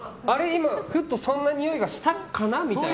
今、ふっとそんなにおいがしたかな？みたいな。